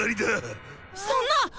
そんな！